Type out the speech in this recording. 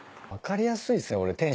分かりやすいっすよね